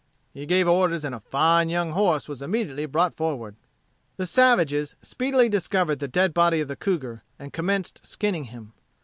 He gave orders, and a fine young horse was immediately brought forward." The savages speedily discovered the dead body of the cougar, and commenced skinning him.